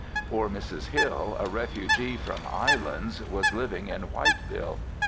Poor Mrs. Hill, a refugee from islands was living in Whiteville.